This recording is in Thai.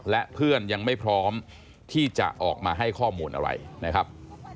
และเพื่อนยังไม่พร้อมที่จะออกมาให้ข้อมูลอะไรนะครับ